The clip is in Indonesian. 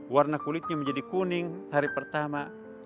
warna kulitnya menjadi kuning hari pertama